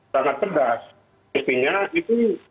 sangat keras mestinya itu